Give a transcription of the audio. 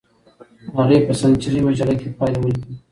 هغې په سنچري مجله کې پایله ولیکله.